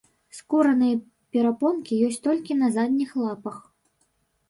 Скураныя перапонкі ёсць толькі на задніх лапах.